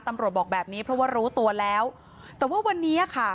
บอกแบบนี้เพราะว่ารู้ตัวแล้วแต่ว่าวันนี้อ่ะค่ะ